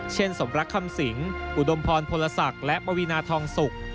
สมรักคำสิงอุดมพรพลศักดิ์และปวีนาทองสุก